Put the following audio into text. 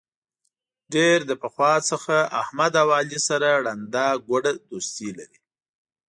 ډېر له پخوا نه احمد او علي سره ړنده ګوډه دوستي لري.